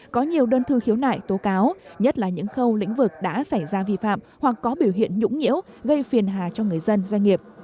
có nhiều đơn thư khiếu nại tố cáo nhất là những khâu lĩnh vực đã xảy ra vi phạm hoặc có biểu hiện nhũng nhiễu gây phiền hà cho người dân doanh nghiệp